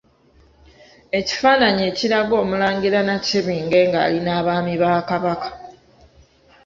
Ekifaananyi ekiraga Omulangira Nakibinge nga ali n'Abaami ba Kabaka.